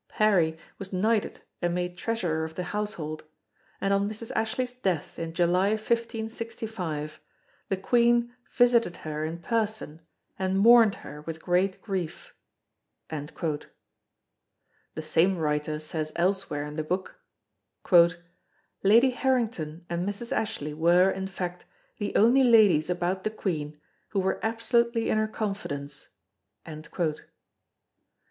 Parry was knighted and made Treasurer of the Household, and on Mrs. Ashley's death in July 1565 the Queen visited her in person and mourned her with great grief." The same writer says elsewhere in the book: "Lady Harrington and Mrs. Ashley were, in fact, the only ladies about the Queen who were absolutely in her confidence."